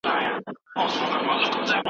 خلک مصنوعي ځېرکتیا کاروي.